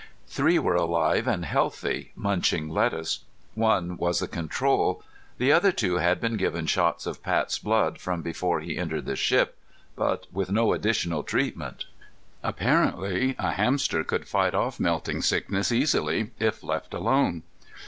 Three were alive and healthy, munching lettuce. One was the control; the other two had been given shots of Pat's blood from before he entered the ship, but with no additional treatment. Apparently a hamster could fight off melting sickness easily if left alone.